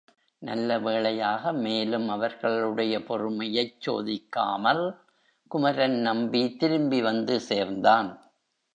நல்ல வேளையாக மேலும் அவர்களுடைய பொறுமையைச் சோதிக்காமல் குமரன் நம்பி திரும்பி வந்து சேர்ந்தான்.